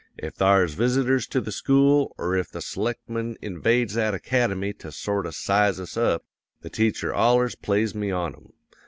If thar's visitors to the school, or if the selectman invades that academy to sort o' size us up, the teacher allers plays me on 'em.